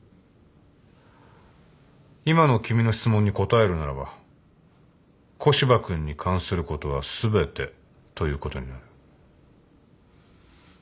今の君の質問に答えるならば古芝君に関することは全てということになる。